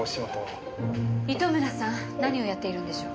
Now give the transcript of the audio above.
糸村さん何をやっているんでしょうか？